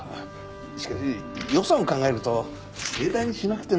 しかし予算を考えると盛大にしなくても。